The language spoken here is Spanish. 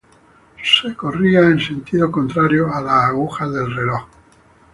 Se corría en sentido contrario a las agujas del reloj.